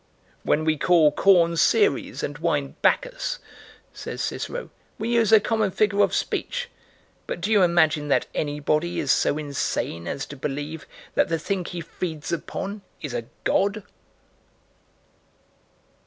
"When we call corn Ceres and wine Bacchus," says Cicero, "we use a common figure of speech; but do you imagine that anybody is so insane as to believe that the thing he feeds upon is a god?"